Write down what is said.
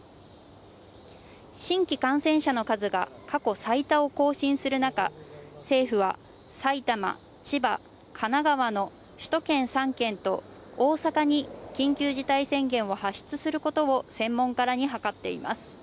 新規感染者の数が過去最多を更新する中、政府は埼玉、千葉、神奈川の首都圏３県と大阪に緊急事態宣言を発出することを専門家らに諮っています。